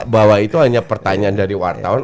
bahwa itu hanya pertanyaan dari wartawan